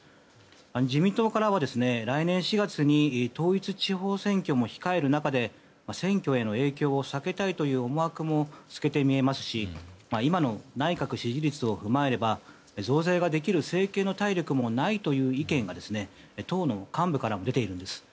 自民党からは、来年４月に統一地方選挙も控える中で控える中で選挙への影響を避けたいという思惑も透けて見えますし今の内閣支持率を踏まえれば増税ができる政権の体力もないという意見が党の幹部からも出ているんです。